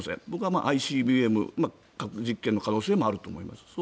僕はＩＣＢＭ核実験の可能性もあると思います